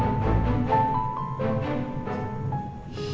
kamu gak peduli ya